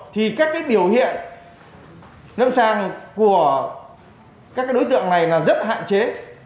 thì các biểu hiện nâm sàng của các đối tượng này là rất hạn chế